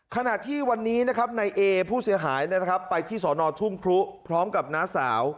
ขณะที่วันนี้นะครับนายเอผู้เสียหายไปที่สอนอทุ่งพรุพร้อมกับน้าสาว